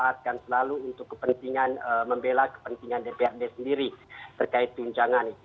masyarakat selalu untuk kepentingan membela kepentingan dprd sendiri terkait tunjangan